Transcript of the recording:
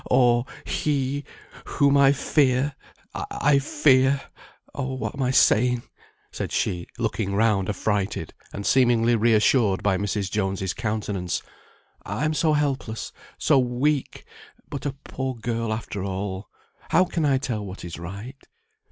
or he whom I fear I fear oh! what am I saying?" said she, looking round affrighted, and seemingly reassured by Mrs. Jones's countenance, "I am so helpless, so weak, but a poor girl after all. How can I tell what is right?